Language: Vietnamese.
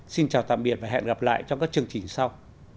xin chào tạm biệt và hẹn gặp lại trong các chương trình sau